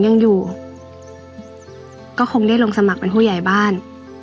ยังอยู่ก็คงได้ลงสมัครเป็นผู้ใหญ่บ้าน